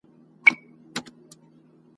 د بل رهبر وي د ځان هینداره !.